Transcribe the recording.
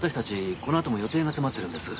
このあとも予定が詰まってるんです。